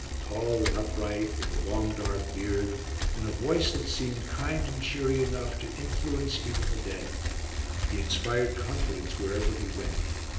Tall and upright, with a long dark beard, and a voice that seemed kind and cheery enough to influence even the dead. He inspired confidence wherever he went.